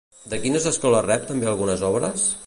De quines escoles rep també algunes obres?